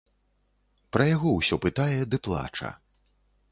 Пра яго ўсё пытае ды плача.